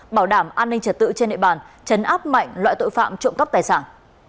bảo đảm an ninh trật tự trên địa bàn chấn áp mạnh loại tội phạm trộm cắp tài sản